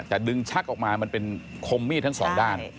แต่ดึงชักออกมามันเป็นคมมีดทั้งสองด้าน